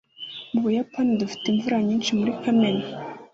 mu buyapani dufite imvura nyinshi muri kamena